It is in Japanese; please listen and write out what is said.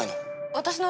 私の！